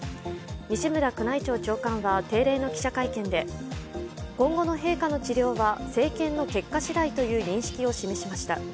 西村宮内庁長官は定例の記者会見で今後の陛下の治療は生検の結果しだいという認識を示しました。